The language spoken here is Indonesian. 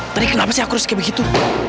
tapi kenapa sih aku harus kayak begitu